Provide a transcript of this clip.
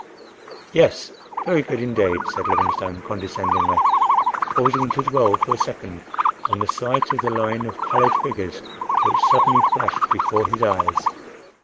—"Yes, very good, indeed," said Livingstone condescendingly, pausing to dwell for a second on the sight of the line of pallid figures which suddenly flashed before his eyes.